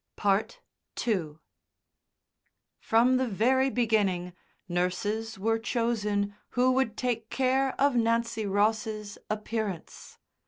II From the very beginning nurses were chosen who would take care of Nancy Boss's appearance.